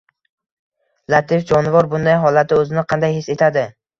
latif «jonivor» bunday holatda o‘zini qanday his etadi?